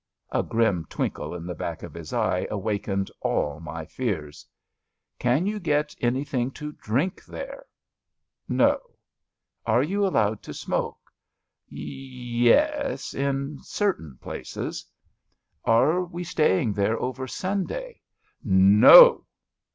A grim twinkle in the back of his eye awakened all my fears. '^ Can you get anything to drink there! " CHAUTAUQUAED 169 '' No/' Are you allowed to smoke! ''Ye es, in certain places." *' Are we staying there over Sunday! '*'' No."